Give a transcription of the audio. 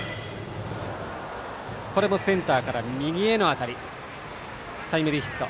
これもセンターから右へのタイムリーヒット。